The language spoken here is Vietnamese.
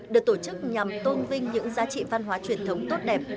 được tổ chức nhằm tôn vinh những giá trị văn hóa truyền thống tốt đẹp